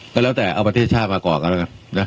ก็แล้วแต่เอาประเทศชาติมาก่อกันแล้วกันนะ